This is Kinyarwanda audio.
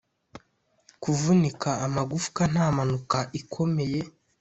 kuvunika amagufwa nta mpanuka ikomeye